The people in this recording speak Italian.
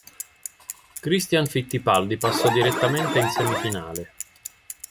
Christian Fittipaldi passò direttamente in semifinale.